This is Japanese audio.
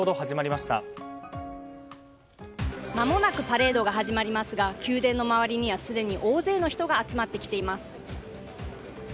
まもなくパレードが始まりますが宮殿の周りにはすでに大勢の人が集まってきています。